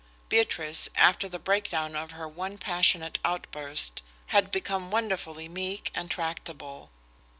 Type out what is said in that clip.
Beatrice, after the breakdown of her one passionate outburst, had become wonderfully meek and tractable.